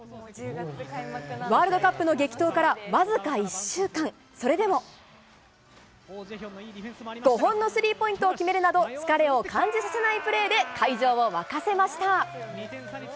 ワールドカップの激闘からわずか１週間、それでも５本のスリーポイントを決めるなど疲れを感じさせないプレーで会場を沸かせました。